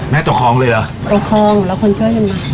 ตกคลองเลยเหรอตกคลองแล้วคนช่วยกันไหม